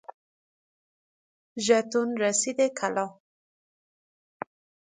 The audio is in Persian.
ژتون رسید کلاه